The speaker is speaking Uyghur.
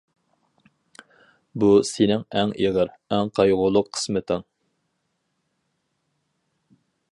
بۇ سېنىڭ ئەڭ ئېغىر، ئەڭ قايغۇلۇق قىسمىتىڭ!